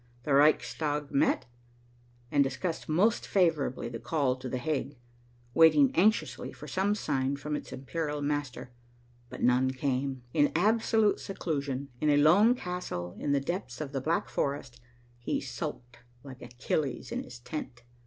The Reichstag met, and discussed most favorably the call to The Hague, waiting anxiously for some sign from its imperial master, but none came. In absolute seclusion, in a lone castle in the depths of the Black Forest, he sulked like Achilles in his tent.